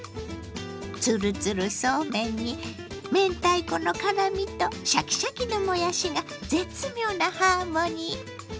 ツルツルそうめんに明太子の辛みとシャキシャキのもやしが絶妙なハーモニー。